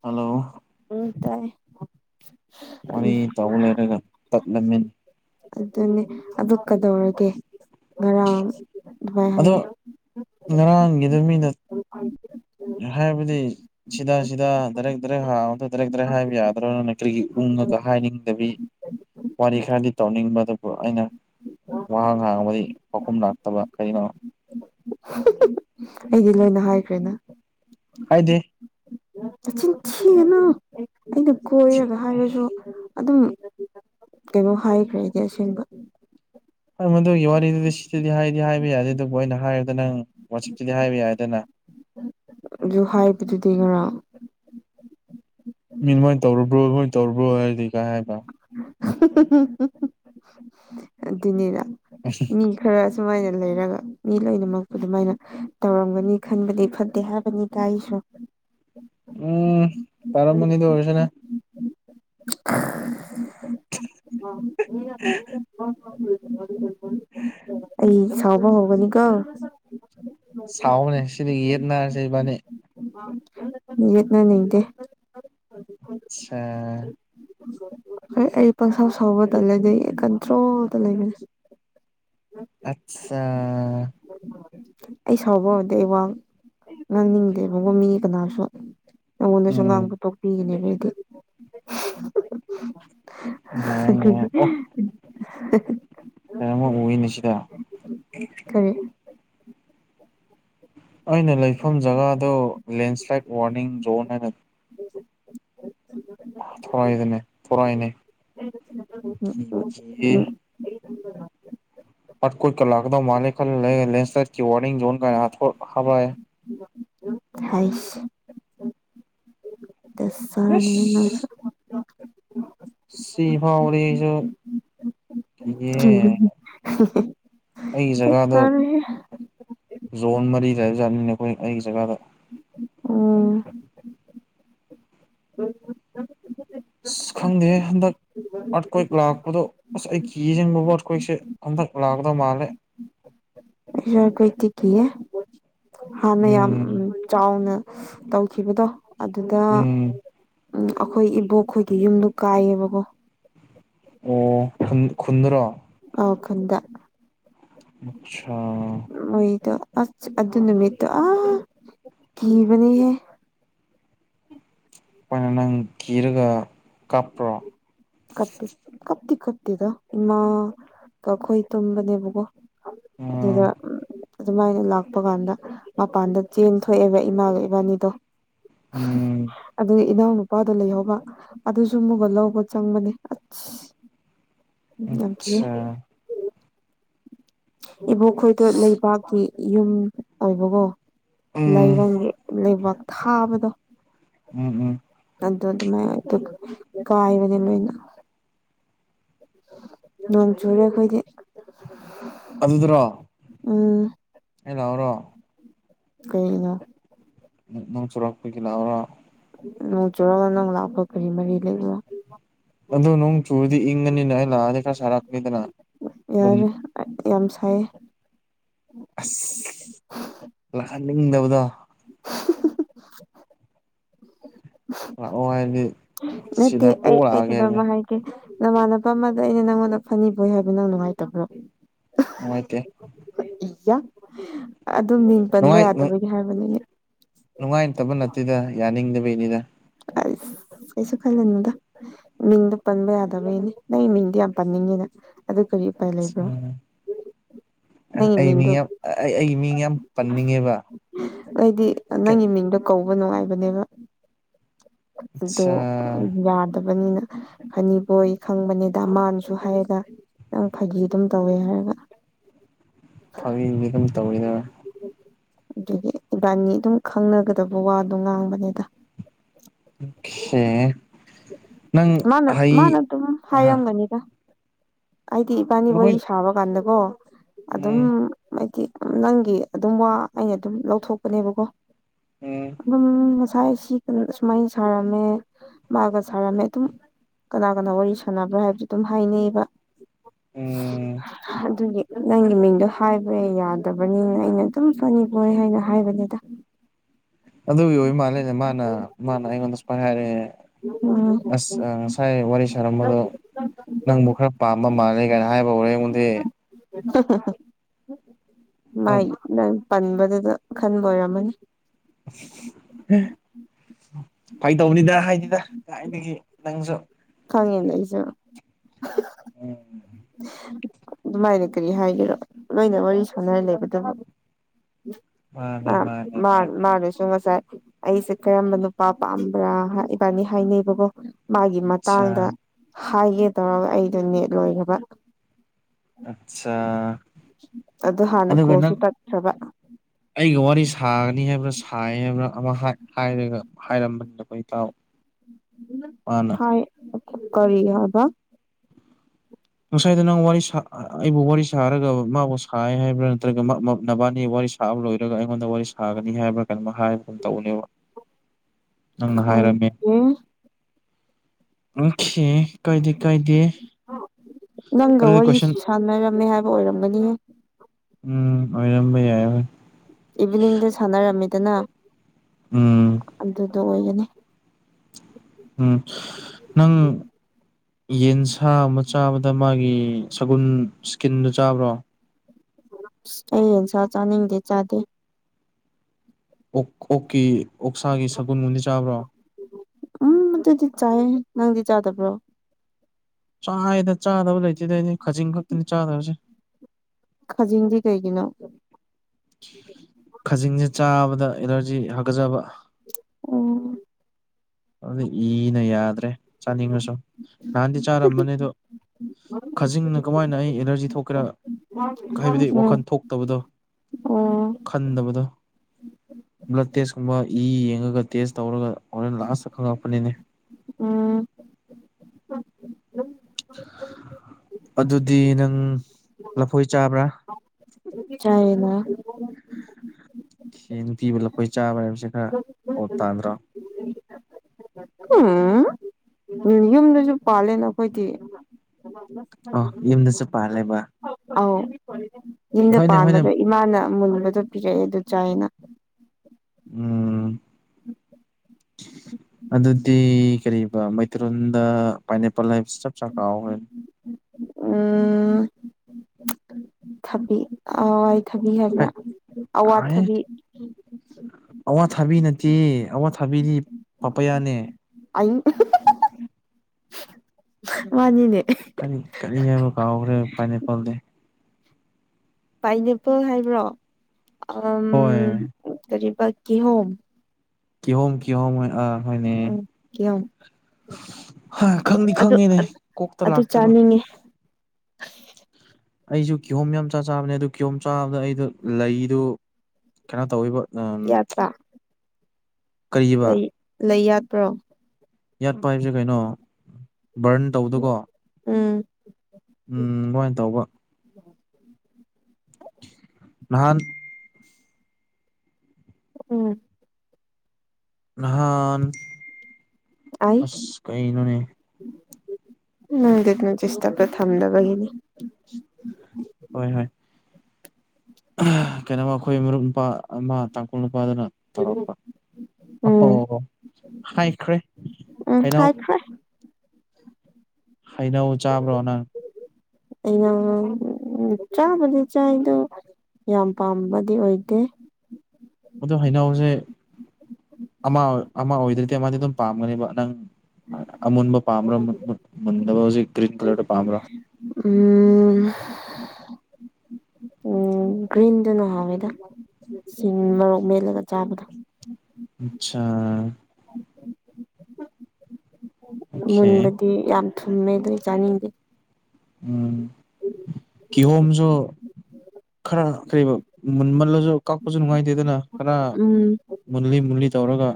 hello ꯎꯝ ꯇꯥꯏ ꯎꯝ ꯋꯥꯔꯤ ꯇꯧꯅꯔꯒ ꯇꯠꯂꯝꯃꯦ ꯑꯗꯨꯅꯦ ꯑꯗꯨ ꯀꯗꯧꯔꯒꯦ ꯉꯔꯥꯡ ꯑꯗꯨꯃꯥꯏ ꯑꯗꯣ ꯍꯥꯏꯌꯦ ꯉꯔꯥꯡꯒꯤꯗꯨ ꯃꯤꯅ ꯍꯥꯏꯕꯗꯤ ꯁꯤꯗ ꯁꯤꯗ ꯗꯥꯔꯦꯛ ꯗꯥꯔꯦꯛ ꯍꯥꯏꯕꯗ ꯗꯥꯔꯦꯛ ꯗꯥꯔꯦꯛ ꯍꯥꯏꯕ ꯌꯥꯗ꯭ꯔꯅꯦ ꯀ꯭ꯔꯤꯒꯤ ꯎꯪꯉꯒ ꯍꯥꯏꯅꯤꯡꯗꯕꯤ ꯋꯥꯔꯤ ꯈꯔꯗꯤ ꯇꯧꯅꯤꯡꯕ ꯑꯗꯨꯕꯨ ꯑꯩꯅ ꯋꯥꯍꯥꯡ ꯍꯥꯡꯕꯗꯤ ꯄꯥꯎꯈꯨꯝ ꯂꯥꯛꯇꯕ ꯀꯩꯅꯣ ꯑꯩꯗꯤ ꯂꯣꯏꯅ ꯍꯥꯏꯈ꯭ꯔꯦꯅ ꯍꯥꯏꯗꯤ ꯅꯆꯤꯟ ꯊꯤꯒꯅꯨ ꯑꯩꯅ ꯀꯣꯏꯔꯒ ꯍꯥꯏꯔꯁꯨ ꯑꯗꯨꯝ ꯀꯩꯅꯣ ꯍꯥꯏꯈ꯭ꯔꯦꯗꯤ ꯑꯁꯦꯡꯕ ꯍꯣꯏ ꯃꯗꯨꯒꯤ ꯋꯥꯔꯤꯗꯨꯗꯤ ꯁꯤꯗꯗꯤ ꯍꯥꯏꯗꯤ ꯍꯥꯏꯕ ꯌꯥꯗꯦ ꯑꯗꯨꯕꯨ ꯑꯩꯅ ꯍꯥꯏꯔꯗ ꯅꯪ ꯋꯥꯆꯞꯇꯗꯤ ꯍꯥꯏꯕ ꯌꯥꯏꯗꯅ ꯑꯗꯨ ꯍꯥꯏꯕꯗꯨꯗꯤ ꯉꯔꯥꯡ ꯅꯤꯉꯜ ꯇꯧꯔꯨꯕ꯭ꯔꯣ ꯅꯣꯏ ꯇꯧꯔꯨꯕ꯭ꯔꯣ ꯍꯥꯏꯔꯗꯤ ꯀꯥꯏ ꯍꯥꯏꯕ ꯑꯗꯨꯅꯤꯅ ꯃꯤ ꯈꯔ ꯑꯗꯨꯃꯥꯏꯅ ꯂꯩꯔꯒ ꯃꯤ ꯂꯣꯏꯅꯃꯛꯄꯨ ꯑꯗꯨꯃꯥꯏꯅ ꯇꯧꯔꯝꯒꯅꯤ ꯈꯟꯕꯗꯤ ꯐꯠꯇꯦ ꯍꯥꯏꯕꯅꯤ ꯇꯥꯏꯁꯨ [inaudible] ꯎꯝ ꯇꯔꯃꯅꯤꯗ ꯑꯣꯏꯁꯨꯅ [unintelligible] ꯏ ꯁꯥꯎꯕ ꯍꯒꯅꯤ ꯀꯣ ꯁꯥꯎꯕꯅꯦ ꯁꯤꯗ ꯌꯦꯠ ꯅꯥꯔꯁꯦ ꯏꯕꯥꯅꯤ ꯌꯦꯠꯅꯅꯤꯡꯗꯦ ꯁꯥ ꯍꯣꯏ ꯑꯩ ꯄꯪꯁꯥꯎ ꯁꯥꯎꯕꯗ ꯂꯩꯩꯗꯦ ꯀꯟꯇ꯭ꯔꯣꯜꯗ ꯂꯩꯕꯅꯦ ꯑꯠꯆꯥꯥ ꯑꯩ ꯁꯥꯎꯕ ꯍꯧꯗ ꯑꯩ ꯋꯥꯡ ꯉꯥꯡꯅꯤꯡꯗꯦꯕ ꯕꯨꯡꯉꯣ ꯃꯤ ꯀꯅꯥꯁꯨ ꯅꯉꯣꯟꯗꯁꯨ ꯎꯝ ꯉꯥꯡꯕ ꯇꯣꯛꯄꯤꯒꯅꯦꯕ ꯌꯥꯏ ꯌꯥꯏ ꯑꯣ ꯀꯩꯅꯣꯃ ꯎꯏꯅꯦ ꯁꯤꯗ [unintelligible] ꯀꯔꯤ ꯑꯩꯅ ꯂꯩꯐꯝ ꯖꯒꯥꯗꯣ ꯂꯦꯟꯁ꯭ꯂꯥꯏꯠ ꯋꯥꯔꯅꯤꯡ ꯖꯣꯟ ꯍꯥꯏꯅ [inaudible] ꯊꯣꯔꯥꯢꯗꯅꯦ ꯊꯣꯔꯥꯏꯅꯦ [unintelligible] [unintelligible] ꯍꯩꯁ ꯇꯁꯅꯤꯍꯦ ꯅꯪꯁꯨ ꯁꯤꯐꯥꯎꯗꯤ ꯑꯩꯁꯨ ꯌꯦ ꯑꯩꯒꯤ ꯀꯩꯁꯨ ꯖꯒꯥꯗꯣ ꯀꯥꯟꯅꯗꯦꯍꯦ ꯖꯣꯟ ꯃꯔꯤꯗ ꯖꯅꯤꯅꯦ ꯑꯩꯈꯣꯏ ꯑꯩꯒꯤ ꯖꯒꯥꯗ ꯑꯣꯥ ꯑꯁ ꯈꯪꯗꯦ ꯍꯟꯗꯛ ꯑꯥꯔꯠ ꯀ꯭ꯋꯦꯛ ꯂꯥꯛꯄꯗꯣ ꯑꯁ ꯑꯩ ꯀꯤꯌꯦꯖꯦꯡꯕ ꯑꯥꯔꯠ ꯀ꯭ꯋꯦꯛꯁꯦ ꯍꯟꯗꯛ ꯂꯀꯗꯧ ꯃꯥꯂꯦ ꯔ ꯀꯨꯏ ꯇꯤ ꯀꯤꯌꯦ ꯍꯥꯟꯅ ꯌꯥꯝ ꯎꯝ ꯆꯥꯎꯅ ꯇꯧꯈꯤꯕꯗꯣ ꯑꯗꯨꯗ ꯎꯝ ꯎꯝ ꯑꯩꯈꯣꯏ ꯏꯕꯣꯛꯈꯣꯏꯒꯤ ꯌꯨꯝꯗꯣ ꯀꯥꯏꯌꯦꯕꯀꯣ ꯑꯣ ꯈꯨꯟ ꯈꯨꯟꯗꯔꯣ ꯑꯧ ꯈꯨꯟꯗ ꯌꯨꯝꯁꯥ ꯃꯣꯏꯗꯣ ꯑꯁ ꯑꯗꯨ ꯅꯨꯃꯤꯠꯇꯣ ꯑ ꯀꯤꯕꯅꯤꯍꯦ ꯈꯣꯏꯅ ꯅꯪ ꯀꯤꯔꯒ ꯀꯥꯞꯄ꯭ꯔꯣ ꯀꯞꯤ ꯀꯞꯇꯤ ꯀꯞꯇꯦꯗ ꯏꯃꯥ ꯀꯈꯣꯢ ꯇꯨꯝꯕꯅꯦꯕꯒꯣ ꯑꯗꯨꯗ ꯎꯝ ꯑꯗꯨꯃꯥꯏꯅ ꯂꯥꯛꯄ ꯀꯥꯟꯗ ꯃꯄꯥꯟꯗ ꯆꯦꯟ ꯊꯣꯛꯑꯦꯕ ꯏꯃꯥ ꯒ ꯏꯕꯥꯅꯤꯗꯣ ꯎꯝ ꯑꯗꯨ ꯏꯅꯥꯎꯅꯄꯥꯗꯣ ꯂꯩꯍꯧꯕ ꯑꯗꯨꯁꯨ ꯑꯃꯨꯒ ꯂꯧꯕ ꯆꯪꯕꯅꯤ ꯅꯁ ꯌꯥꯝ ꯀꯤꯌꯦ ꯑꯠꯁꯥ ꯏꯕꯣꯛ ꯈꯣꯏꯗꯣ ꯂꯩꯕꯥꯛꯀꯤ ꯌꯨꯝ ꯑꯣꯏꯕꯀꯣ ꯎꯝ ꯂꯩꯔꯡꯒꯤ ꯂꯩꯕꯥꯛ ꯊꯥꯕꯗꯣ ꯎꯝ ꯎꯝ ꯑꯗꯨꯃꯥꯏꯟ ꯗꯨꯝ ꯀꯥꯥꯏꯕꯅꯦ ꯂꯣꯏꯅ ꯅꯣꯡ ꯆꯨꯔꯦ ꯑꯩꯈꯣꯏꯗꯤ ꯑꯗꯨꯗꯔꯥ ꯑꯥ ꯑꯩ ꯂꯥꯛꯑꯣꯔꯣ ꯀꯩꯗ ꯅꯣꯡ ꯆꯨꯔꯛꯄꯒꯤ ꯂꯥꯛꯑꯣꯔꯣ ꯅꯣꯡ ꯆꯨꯔ ꯅꯡ ꯂꯥꯛꯄꯒ ꯀꯔꯤ ꯃꯔꯤ ꯂꯩꯒꯦ ꯑꯗꯨ ꯅꯣꯡ ꯆꯨꯔꯗꯤ ꯏꯪꯉꯅꯤꯅ ꯑꯩ ꯂꯥꯛꯑꯗꯤ ꯈꯔ ꯁꯥꯔꯛꯀꯅꯤꯗꯅ ꯑꯗꯨꯝ ꯌꯥꯔꯦ ꯌꯥꯝ ꯁꯥꯏꯌꯦ ꯑꯁ ꯂꯥꯛꯍꯟꯅꯤꯡꯗꯕꯗꯣ ꯂꯥꯛꯑꯣ ꯍꯥꯏꯔꯗꯤ ꯅꯠꯇꯦ ꯁꯤꯗ ꯑꯩ ꯀꯣꯛ ꯑꯩ ꯂꯥꯛꯑꯒꯦ ꯍꯥꯏꯕꯅꯦ ꯀꯩꯅꯣꯝꯃ ꯍꯥꯏꯒꯦ ꯅꯃꯥꯟꯅꯕ ꯑꯃꯗ ꯑꯩꯅ ꯅꯪꯉꯣꯟꯗ ꯐꯅꯤꯕꯣꯏ ꯍꯥꯏꯕ ꯅꯪ ꯅꯨꯡꯉꯥꯏꯇꯕ꯭ꯔꯣ ꯅꯨꯡꯉꯥꯏꯇꯦ ꯏ ꯌꯥ ꯑꯗꯨꯝ ꯃꯤꯡ ꯄꯟꯕ ꯅꯨꯡꯉꯥꯏ ꯌꯥꯗꯕꯒꯤ ꯍꯥꯏꯕꯅꯤꯅꯦ ꯅꯨꯡꯉꯥꯏꯇꯕ ꯅꯠꯇꯦꯗ ꯌꯥꯅꯤꯡꯗꯕꯩꯅꯤꯗ ꯑꯁ ꯀꯩꯁꯨ ꯈꯜꯂꯅꯨꯗ ꯃꯤꯡꯗꯣ ꯄꯟꯕ ꯌꯥꯗꯕꯒꯤꯅꯦ ꯅꯪ ꯃꯤꯡꯗꯤ ꯌꯥꯝ ꯄꯟꯅꯤꯡꯉꯤꯗ ꯑꯗꯨ ꯀꯔꯤ ꯎꯄꯥꯏ ꯂꯩꯕ꯭ꯔꯣ ꯑ ꯅꯪꯒꯤ ꯑꯩ ꯃꯤꯡ ꯃꯤꯡꯗꯣ ꯌꯥꯝ ꯑ ꯑꯩ ꯑꯩꯒꯤ ꯃꯤꯡ ꯌꯥꯝ ꯄꯟꯅꯤꯡꯉꯦꯕ ꯑꯩꯗꯤ ꯅꯪꯒꯤ ꯃꯤꯡꯗꯣ ꯀꯧꯕ ꯅꯨꯡꯉꯥꯏꯕꯅꯦꯕ ꯑꯗꯣ ꯑꯠꯆꯥ ꯌꯥꯗ ꯕꯅꯤꯅ ꯐꯅꯤꯕꯣꯏ ꯈꯪꯕꯅꯦꯗꯥ ꯃꯥꯅꯁꯨ ꯍꯥꯏꯌꯦꯗ ꯅꯪ ꯐꯥꯒꯤ ꯑꯗꯨꯝ ꯇꯧꯋꯦ ꯍꯥꯏꯅ ꯐꯥꯒꯤꯗꯤ ꯑꯗꯨꯝ ꯇꯧꯋꯦꯅꯥ ꯑꯗꯨꯒꯤ ꯏꯕꯥꯅꯤ ꯑꯗꯨꯝ ꯈꯪꯅꯒꯗꯕ ꯋꯥꯗꯣ ꯉꯥꯡꯕꯅꯦꯗ ꯑꯣꯀꯦ ꯅꯪ ꯃꯥꯅ ꯃꯥꯅ ꯍꯩ ꯑꯗꯨꯝ ꯑꯍ ꯍꯥꯏꯔꯝꯒꯅꯤꯗ ꯑꯩꯗꯤ ꯏꯕꯥꯅꯤ ꯋꯥꯔꯤ ꯂꯣꯏ ꯁꯥꯕ ꯀꯥꯟꯗꯀꯣ ꯑꯗꯨꯝ ꯎꯝ ꯍꯥꯏꯗꯤ ꯅꯪꯒꯤ ꯑꯗꯨꯝ ꯋꯥ ꯑꯩꯅ ꯑꯗꯨꯝ ꯂꯧꯊꯣꯛꯄꯅꯦꯕꯀꯣ ꯎꯝ ꯑꯗꯨꯝ ꯁꯥꯏ ꯁꯤ ꯁꯨꯃꯥꯏꯅ ꯁꯥꯔꯝꯃꯦ ꯃꯥꯒ ꯁꯥꯔꯝꯃꯦ ꯑꯗꯨꯝ ꯀꯅꯥ ꯀꯅꯥ ꯋꯥꯔꯤ ꯁꯥꯟꯅꯕ꯭ꯔꯥ ꯍꯥꯏꯕꯁꯨ ꯑꯗꯨꯝ ꯍꯥꯏꯅꯩꯌꯦꯕ ꯎꯝ ꯑꯗꯨꯒꯤ ꯅꯪꯒꯤ ꯃꯤꯡꯗꯣ ꯍꯥꯏꯕ ꯌꯥꯗꯕꯅꯤꯅ ꯑꯩꯅ ꯑꯗꯨꯝ ꯐꯅꯤꯕꯣꯏ ꯍꯥꯏꯅ ꯍꯥꯏꯕꯅꯤꯗ [inaudible] ꯑꯗꯨꯒꯤ ꯑꯣꯏꯕ ꯃꯥꯜꯂꯦꯅꯦ ꯃꯥꯅ ꯃꯥꯅ ꯑꯩꯉꯣꯟꯗ ꯁꯨꯃꯥꯏ ꯍꯥꯏꯔꯛꯑꯦ ꯎꯝ ꯑꯁ ꯑ ꯉꯁꯥꯏ ꯋꯥꯔꯤ ꯁꯥꯔꯝꯕꯗꯣ ꯅꯪꯕꯨ ꯈꯔ ꯄꯥꯝꯕ ꯃꯥꯜꯂꯦ ꯀꯥꯏꯅ ꯍꯥꯏꯕ ꯋꯥꯔꯦ ꯅꯪꯗꯤ ꯎꯝ ꯃꯥꯏ ꯅꯪ ꯄꯟꯕꯗꯨꯗ ꯈꯟꯕ ꯑꯣꯏꯔꯝꯃꯅꯤ ꯑꯁ ꯑ ꯐꯒꯤ ꯇꯧꯕꯅꯤꯗ ꯍꯥꯏꯗꯦꯗ ꯀꯥꯏꯗꯒꯤ ꯅꯪꯁꯨ ꯈꯪꯉꯦꯗ ꯑꯩꯁꯨ ꯎꯝ ꯑꯗꯨꯃꯥꯏꯅ ꯀꯔꯤ ꯍꯥꯏꯒꯦꯔꯣ ꯂꯣꯏꯅ ꯋꯥꯔꯤ ꯁꯥꯟꯅꯔ ꯂꯩꯕꯗꯨꯕꯨ ꯃꯥ ꯃꯥꯅꯦ ꯃꯥꯅꯦ ꯃꯥ ꯃꯥꯅꯦ ꯃꯥꯒꯁꯨ ꯉꯁꯥꯥꯏ ꯑꯩꯁꯦ ꯀꯔꯝꯕ ꯅꯨꯄꯥ ꯄꯥꯝꯕ꯭ꯔꯥ ꯍꯥꯏ ꯏꯕꯥꯅꯤ ꯍꯥꯏꯅꯩꯌꯦꯕꯀꯣ ꯃꯥꯒꯤ ꯑꯠꯆꯥ ꯃꯇꯥꯡꯗ ꯍꯥꯏꯒꯦ ꯇꯧꯔꯒ ꯑꯩꯗꯣ ꯅꯦꯠ ꯂꯣꯏꯒ꯭ꯔꯕ ꯑꯠ ꯁꯥ ꯑꯗꯨ ꯍꯥꯟꯅ ꯑꯗꯨꯒ ꯀꯣꯜꯁꯨ ꯅꯪ ꯇꯠꯈ꯭ꯔꯕ ꯑꯩꯒ ꯋꯥꯔꯤ ꯁꯥꯒꯅꯤ ꯍꯥꯏꯕ꯭ꯔꯥ ꯁꯥꯏ ꯍꯥꯏꯕ꯭ꯔꯥ ꯑꯃ ꯍꯥꯏ ꯍꯥꯏꯔꯒ ꯍꯥꯏꯔꯝꯗꯕ ꯏꯇꯥꯎ ꯃꯥꯅ ꯍꯥꯏ ꯀꯔꯤ ꯍꯥꯏꯕ ꯉꯁꯥꯏꯗꯣ ꯅꯪ ꯋꯥꯔꯤ ꯁꯥ ꯑꯩꯕꯨ ꯋꯥꯔꯤ ꯁꯥꯔꯒ ꯃꯥꯕꯨ ꯁꯥꯏ ꯍꯥꯏꯕ꯭ꯔꯥ ꯅꯠꯇ꯭ꯔꯒ ꯃ ꯅꯕꯥꯟꯅꯤ ꯋꯥꯔꯤ ꯋꯥꯔꯤ ꯁꯥꯕ ꯂꯣꯏꯔꯒ ꯑꯩꯉꯣꯟꯗ ꯋꯥꯔꯤ ꯁꯥꯒꯅꯤ ꯍꯥꯏꯕ꯭ꯔꯥ ꯀꯩꯅꯣꯝꯃ ꯍꯥꯏꯕꯒꯨꯝ ꯇꯧꯕꯅꯦꯕ ꯎ ꯈꯪꯗꯦ ꯎꯪꯈꯦ ꯀꯥꯏꯗꯦ ꯀꯥꯏꯗꯦ ꯅꯪꯒ ꯑꯗꯨꯗꯤ ꯋꯥꯔꯤ ꯀꯣꯏꯁꯟ ꯁꯥꯟꯅꯔꯝꯃꯦ ꯍꯥꯏꯕ ꯑꯣꯏꯔꯝꯒꯅꯤꯍꯦ ꯎꯝ ꯑꯣꯏꯔꯝꯕ ꯌꯥꯏ ꯍꯣꯏ ꯏꯚꯤꯅꯤꯡꯗ ꯁꯥꯟꯅꯔꯝꯃꯤꯗꯅ ꯎꯝ ꯑꯗꯨꯗꯣ ꯑꯣꯏꯒꯅꯤ ꯎꯝ ꯅꯪ ꯌꯦꯟꯁꯥ ꯑꯃ ꯆꯥꯕꯗ ꯃꯥꯒꯤ ꯁꯒꯨꯟ ꯁ꯭ꯀꯤꯟꯗꯣ ꯆꯥꯕ꯭ꯔꯣ [unintelligible] ꯑꯩ ꯌꯦꯟꯁꯥ ꯆꯥꯅꯤꯡꯗꯦ ꯆꯥꯗꯦ ꯑꯣꯛ ꯑꯣꯛꯀꯤ ꯑꯣꯛꯁꯥꯒꯤ ꯁꯒꯨꯟꯕꯨꯨꯗꯤ ꯆꯥꯕ꯭ꯔꯣ ꯎꯝ ꯑꯗꯨꯗꯤ ꯆꯥꯏꯌꯦ ꯅꯪꯗꯤ ꯆꯥꯗꯕ꯭ꯔꯣ ꯆꯥꯏꯌꯦꯗ ꯆꯥꯗꯕ ꯂꯩꯇꯦꯗ ꯑꯩꯗꯤ ꯈꯖꯤꯡ ꯈꯛꯇꯅꯤ ꯆꯥꯗꯕꯁꯦ ꯈꯖꯤꯡꯗꯤ ꯀꯩꯒꯤꯅꯣ ꯈꯖꯤꯡꯁꯦ ꯆꯥꯕꯗ ꯑꯦꯂꯔꯖꯤ ꯍꯥꯒꯖꯕ ꯑꯣ ꯑꯗꯨ ꯏꯅ ꯌꯥꯗ꯭ꯔꯦ ꯆꯥꯅꯤꯡꯉꯁꯨ ꯅꯍꯥꯟꯗꯤ ꯆꯥꯔꯝꯕ ꯑꯗꯣ ꯈꯖꯤꯡꯅ ꯀꯃꯥꯏꯅ ꯑꯩ ꯑꯦꯂꯔꯖꯤ ꯊꯣꯛꯀꯦꯔꯥ ꯍꯥꯏꯕꯗꯤ ꯎꯝ ꯋꯥꯈꯟ ꯊꯣꯛꯇꯕꯗꯣ ꯎꯝ ꯈꯟꯗꯕꯗꯣ ꯕ꯭ꯂꯗ ꯇꯦꯁ [unintelligible] ꯕ ꯏ ꯌꯦꯡꯉꯒ ꯇꯦꯁ ꯇꯧꯔꯒ ꯍꯣꯔꯦꯟ ꯂꯥꯁꯇ ꯈꯪꯉꯛꯄꯅꯤꯅꯦ ꯎꯝ ꯑꯗꯨꯗꯤ ꯅꯪ ꯂꯐꯣꯏ ꯆꯥꯕ꯭ꯔꯥ ꯆꯥꯏꯌꯦꯅ ꯈꯦ ꯅꯨꯄꯤꯕꯨ ꯂꯐꯣꯢ ꯆꯥꯕ ꯍꯥꯏꯕꯁꯦ ꯈꯔ ꯑꯣꯗ ꯇꯥꯗ꯭ꯔꯣ ꯎꯝ ꯌꯨꯝꯗꯁꯨ ꯄꯥꯜꯂꯦꯅ ꯑꯈꯣꯏꯗꯤ ꯑꯣ ꯌꯨꯝꯗꯁꯨ ꯄꯥꯜꯂꯦꯕ ꯑꯧ ꯌꯨꯝꯗ ꯍꯣꯏꯅꯦ ꯍꯣꯏꯅꯦ ꯄꯥꯟꯕꯗꯣ ꯏꯃꯥꯅ ꯃꯨꯟꯕꯗꯣ ꯄꯤꯔꯛꯑꯦ ꯑꯗꯨ ꯆꯥꯏꯌꯦꯅ ꯎꯝ [inaudible] ꯑꯗꯨꯗꯤ ꯀꯔꯤꯕ ꯃꯩꯇꯩꯔꯣꯟꯗ ꯄꯥꯏꯅꯦꯄꯜ ꯍꯥꯏꯕꯁꯤ ꯆꯞ ꯆꯥ ꯀꯥꯎꯈ꯭ꯔꯦ ꯎꯝ ꯊꯕꯤ ꯑꯋꯥꯏ ꯊꯕꯤ ꯍꯥꯏꯕ꯭ꯔ ꯍꯦꯠ ꯑꯋꯥꯊꯕꯤ ꯑꯋꯥꯊꯥꯕꯤ ꯅꯠꯇꯦ ꯑꯋꯥꯊꯥꯕꯤꯗꯤ ꯄꯥꯄꯌꯥꯅꯦ [unintelligible] ꯃꯥꯟꯅꯤꯅꯦ ꯀꯔꯤ ꯀꯔꯤ ꯍꯥꯏꯕ ꯀꯥꯎꯈ꯭ꯔꯦ ꯄꯥꯏꯅꯦꯄꯜꯗꯤ ꯄꯥꯏꯅꯦꯄꯜ ꯍꯥꯏꯕ꯭ꯔꯣ ꯑꯥꯝ ꯍꯣꯏ ꯀꯔꯤ ꯄ ꯀꯤꯍꯣꯝ ꯀꯤꯍꯣꯝ ꯀꯤꯍꯣꯝ ꯑ ꯍꯣꯏꯅꯦ ꯎꯝ ꯀꯤꯍꯣꯝ ꯍ ꯈꯪꯗꯤ ꯑꯗꯨ ꯈꯪꯉꯦꯅꯦ ꯀꯣꯛꯇ ꯑꯗꯨ ꯂꯥꯛꯇꯕ ꯆꯥꯅꯤꯡꯉꯦ [inaudible] ꯑꯩꯁꯨ ꯀꯤꯍꯣꯝ ꯌꯥꯝ ꯆꯥ ꯆꯥꯕꯅꯦ ꯑꯗꯨ ꯀꯤꯍꯣꯝ ꯆꯥꯕꯗꯣ ꯑꯩꯗꯣ ꯂꯩꯗꯨ ꯀꯩꯅꯣ ꯇꯧꯋꯦꯕ ꯎꯝ ꯌꯥꯠꯄ ꯀꯔꯤꯕ ꯂꯩ ꯂꯩ ꯌꯥꯠꯄ꯭ꯔꯣ ꯌꯥꯠꯄ ꯍꯥꯏꯕꯁꯦ ꯀꯩꯅꯣ ꯕ꯭ꯔꯟ ꯇꯧꯕꯗꯨꯀꯣ ꯎꯝ ꯇꯧꯕ ꯅꯍꯥꯟ ꯎꯝ ꯅꯍꯥꯟ ꯑꯩ ꯑꯁ ꯀꯩꯅꯣꯅꯦ ꯅꯪꯒꯤ [unintelligible] ꯗꯤꯁꯇꯔ꯭ꯕꯇ ꯊꯝꯗꯕꯒꯤꯅꯤ ꯍꯣꯏ ꯍꯣꯏ ꯑ ꯀꯩꯅꯣꯃ ꯑꯩꯈꯣꯏ ꯃꯔꯨꯞ ꯅꯨꯄꯥ ꯑꯃ ꯇꯥꯡꯀꯨꯜ ꯅꯨ ꯄꯥꯗꯨꯅ ꯇꯧꯔꯛꯄ ꯑꯍꯣ ꯎꯝ ꯍꯥꯏꯈ꯭ꯔꯦ ꯎꯝ ꯍꯩꯅꯧ ꯍꯥꯏꯈ꯭ꯔꯦ ꯍꯩꯅꯧ ꯆꯥꯕ꯭ꯔꯣ ꯅꯪ ꯍꯩꯅꯧ ꯆꯥꯕꯨꯗꯤ ꯆꯥꯏꯗꯣ ꯌꯥꯝ ꯄꯥꯝꯕꯗꯤ ꯑꯣꯏꯗꯦ ꯑꯗꯨ ꯍꯩꯅꯧꯁꯦ ꯑꯃ ꯑꯃ ꯑꯣꯏꯗ꯭ꯔꯗꯤ ꯑꯃꯗꯤꯗꯤ ꯑꯗꯨꯝ ꯄꯥꯝꯒꯅꯦꯕ ꯅꯪ ꯑꯃꯨꯟꯕ ꯄꯥꯝ꯭ꯕꯔ ꯃꯨꯟ ꯃꯨꯟꯗꯕ ꯍꯧꯖꯤꯛ ꯒ꯭ꯔꯤꯟ ꯀꯂꯔꯗꯣ ꯄꯥꯝ꯭ꯔꯥ ꯎꯝ ꯎꯝ ꯒ꯭ꯔꯤꯟꯗꯨꯅ ꯍꯥꯎꯋꯦꯗ ꯁꯤꯡ ꯃꯣꯔꯣꯛ ꯃꯦꯠꯂꯒ ꯆꯥꯕꯗꯣ ꯑꯆꯥ ꯑꯣꯀꯦ ꯃꯨꯟꯕꯗꯤ ꯌꯥꯝ ꯊꯨꯝꯃꯦ ꯑꯗꯨ ꯆꯥꯅꯤꯡꯗꯦ ꯎꯝ ꯩ [inaudible] ꯀꯤꯍꯣꯝꯁꯨ ꯈꯔ ꯀꯩꯕ ꯃꯨꯟꯃꯜꯂꯁꯨ ꯀꯛꯄꯁꯨ ꯅꯨꯡꯉꯥꯏꯇꯦꯗꯅ ꯈꯔ ꯎꯝ ꯃꯨꯜꯂꯤ ꯃꯨꯂꯤ ꯇꯧꯔꯒ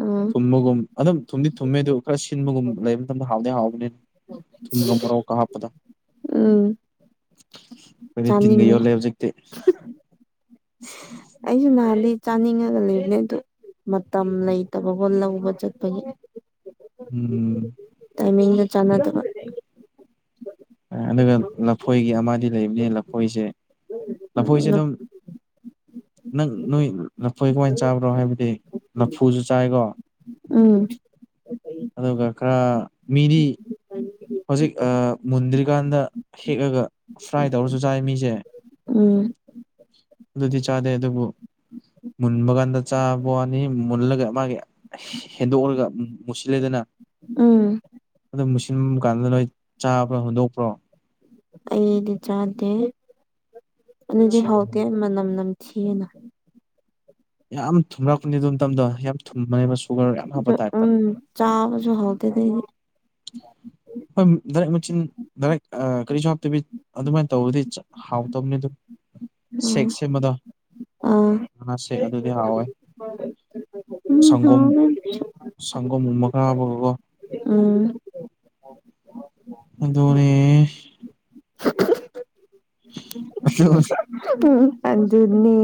ꯎꯝ ꯇꯨꯝꯕꯒꯨꯝ ꯑꯗꯨꯝ ꯊꯨꯝꯗꯤ ꯊꯨꯝꯃꯦ ꯑꯗꯨ ꯈꯔ ꯁꯤꯟꯕꯒꯨꯝꯕ ꯂꯩꯕ ꯃꯇꯝꯗ ꯍꯥꯎꯗꯤ ꯍꯥꯎꯕꯅꯦ ꯊꯨꯝꯒ ꯃꯣꯔꯣꯛꯀ ꯍꯥꯞꯄꯗꯣ ꯎꯝ ꯈꯣꯏꯗꯤ ꯇꯤꯟꯒ ꯆꯥꯅꯤꯡꯉꯦ ꯌꯣꯠꯂꯦ ꯍꯧꯖꯤꯛꯇꯤ ꯑꯩꯁꯨ ꯅꯍꯥꯟꯗꯤ ꯆꯥꯅꯤꯡꯉꯒ ꯂꯩꯕꯅꯦ ꯑꯗꯨ ꯃꯇꯝ ꯂꯩꯇꯕꯕꯣ ꯂꯧꯕ ꯆꯠꯄꯒꯤ ꯎꯝ ꯇꯥꯏꯃꯤꯡꯒ ꯆꯥꯟꯅꯗꯕ ꯑꯗꯨꯒ ꯂꯐꯣꯏꯒꯤ ꯑꯃꯗꯤ ꯂꯩꯕꯅꯤ ꯂꯐꯣꯏꯁꯦ ꯂꯐꯣꯏꯁꯦ ꯎꯝ ꯑꯗꯨꯝ ꯅꯪ ꯅꯣꯏ ꯂꯐꯣꯏ ꯀꯃꯥꯏꯅ ꯆꯥꯕ꯭ꯔꯣ ꯍꯥꯏꯕꯗꯤ ꯂꯐꯨꯁꯨ ꯆꯥꯏꯀꯣ ꯎꯝ ꯑꯗꯨꯒ ꯈꯔ ꯃꯤꯗꯤ ꯍꯧꯖꯤꯛ ꯑꯥ ꯃꯨꯟꯗ꯭ꯔꯤꯀꯥꯟꯗ ꯍꯦꯛꯑꯒ ꯐ꯭ꯔꯥꯏ ꯇꯧꯔꯁꯨ ꯆꯥꯏ ꯃꯤꯁꯦ ꯎꯝ ꯑꯗꯨꯗꯤ ꯆꯥꯗꯦ ꯑꯗꯨꯕꯨ ꯃꯨꯟꯕ ꯀꯥꯟꯗ ꯆꯥꯕ ꯋꯥꯅꯤ ꯃꯨꯜꯂꯒ ꯃꯥꯒꯤ ꯍꯦꯟꯗꯣꯛꯂꯒ ꯃꯨꯁꯤꯜꯂꯦꯗꯅ ꯎꯝ ꯑꯗꯨꯝ ꯃꯨ ꯁꯤꯟꯕ ꯀꯥꯟꯗ ꯅꯣꯏ ꯆꯥꯕ꯭ꯔꯣ ꯍꯨꯟꯗꯣꯛꯄ꯭ꯔꯣ ꯑꯩꯗꯤ ꯆꯥꯗꯦ ꯑꯗꯨꯗꯤ ꯍꯥꯎꯇꯦ ꯃꯅꯝ ꯅꯝ ꯊꯤꯌꯦꯅ ꯌꯥꯝ ꯊꯨꯝꯂꯛꯄꯅꯤ ꯑꯗꯨ ꯃꯝꯇꯗꯣ ꯌꯥꯝ ꯊꯨꯝꯕꯅꯦ ꯃꯆꯨ ꯎꯝ ꯆꯥꯕꯁꯨ ꯍꯥꯎꯇꯦꯗ ꯍꯣꯏ ꯂꯩꯔꯛꯃꯆꯤꯟ ꯗꯥꯏꯔꯦꯛ ꯑ ꯀꯔꯤꯁꯨ ꯍꯥꯞꯇꯕꯤ ꯑꯗꯨꯃꯥꯏꯅ ꯇꯧꯔꯗꯤ ꯍꯥꯎꯇꯕꯅꯤ ꯑꯗꯨ ꯁꯦꯛ ꯎꯝ ꯁꯦꯝꯕꯗꯣ ꯑꯥ ꯁꯦꯛ ꯑꯗꯨꯗꯤ ꯍꯥꯎꯋꯦ ꯎꯝ ꯁꯪꯒꯣꯝ ꯍꯥꯎꯔꯅꯤ ꯁꯪꯒꯣꯝ ꯒꯨꯝꯕ ꯈꯔ ꯍꯥꯞꯄꯒꯣ ꯎꯝ ꯑꯗꯨꯅꯦ ꯑꯆꯨꯁ ꯑꯗꯨꯅꯦ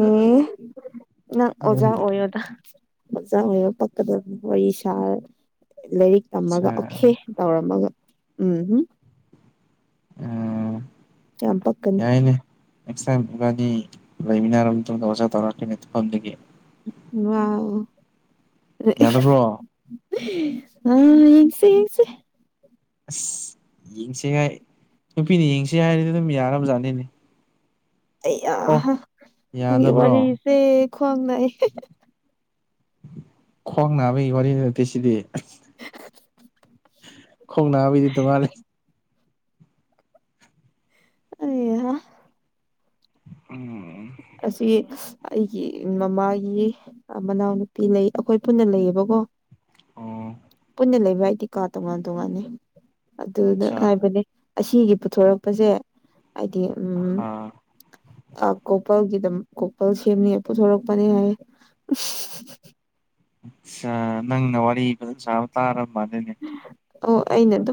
ꯅꯪ ꯑꯣꯖꯥ ꯑꯣꯢꯌꯣꯗ ꯑꯣꯖꯥ ꯑꯣꯏꯔ ꯄꯛꯀꯗꯕꯅꯦ ꯋꯥꯔꯤ ꯁꯥꯔ ꯂꯥꯏꯔꯤꯛ ꯇꯝꯃꯒ ꯑꯣꯛꯈꯦ ꯇꯧꯔꯝꯃꯒ ꯎꯝ ꯍꯨꯝ ꯌꯥꯝ ꯄꯛꯀꯅꯤ ꯌꯥꯏꯅꯦ ꯅꯦꯛꯁ ꯇꯥꯏꯝ ꯏꯕꯥꯅꯤ ꯂꯩꯃꯤꯟꯅꯔꯕ ꯃꯇꯨꯡꯗ ꯑꯣꯖꯥ ꯇꯧꯔꯛꯀꯦꯅꯦ ꯐꯣꯟꯗꯒꯤ ꯋꯥꯎ ꯌꯥꯗꯕ꯭ꯔꯣ ꯑꯥ ꯌꯦꯡꯁꯦ ꯌꯦꯡꯁꯦ ꯑꯁ ꯌꯦꯡꯁꯦ ꯍꯥꯏ ꯅꯨꯄꯤꯅ ꯌꯦꯡꯁꯦ ꯍꯥꯏꯔꯗꯤ ꯑꯗꯨꯝ ꯌꯥꯔꯕ ꯖꯥꯠꯅꯤꯅꯦ ꯑꯩꯌꯥꯍꯥ ꯅꯪꯒꯤ ꯌꯥꯗꯕ꯭ꯔꯣ ꯋꯥꯔꯤꯁꯦ ꯈ꯭ꯋꯥꯡ ꯅꯥꯏ ꯍꯦꯍꯦꯍ ꯈ꯭ꯋꯥꯡ ꯅꯥꯕꯒꯤ ꯋꯥꯔꯤ ꯅꯠꯇꯦ ꯁꯤꯗꯤ ꯑꯍꯥ ꯈꯣꯡꯅꯕꯒꯤꯗꯤ ꯇꯣꯡꯉꯥꯜꯂꯦ ꯑꯩꯍꯥ [unintelligible] ꯑꯩꯁꯤ ꯑꯩꯒꯤ ꯃꯃꯥꯒꯤ ꯑ ꯃꯅꯥꯎꯅꯨꯄꯤ ꯂꯩ ꯑꯩꯈꯣꯏ ꯄꯨꯟꯅ ꯂꯩꯌꯦꯕ ꯀꯣ ꯑꯣ ꯑꯩꯅ ꯂꯩꯕ ꯍꯥꯏꯗꯤ ꯀꯥ ꯇꯣꯉꯥꯟ ꯇꯣꯉꯥꯟꯅꯦ ꯑꯗꯨꯅ ꯑꯠꯆꯥ ꯍꯥꯏꯕꯅꯦ ꯑꯁꯤꯒꯤ ꯄꯨꯊꯣꯔꯛꯄꯁꯦ ꯍꯥꯏꯗꯤ ꯎꯝ ꯑ ꯑ ꯀꯣ ꯄꯜꯒꯤꯗꯝ ꯀꯣꯄꯜ ꯁꯦꯝꯅꯤꯡꯉꯥꯏ ꯄꯨꯊꯣꯔꯛꯄꯅꯦ ꯍꯥꯏꯌꯦ [unintelligible] ꯁꯥ ꯅꯪꯅ ꯋꯥꯔꯤ ꯐꯖꯟ ꯁꯥꯕ ꯇꯥꯔꯝ ꯑꯣ ꯑꯩꯅ ꯑꯗꯨꯝ